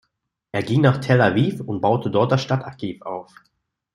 Er ging nach Tel Aviv und baute dort das Stadtarchiv auf.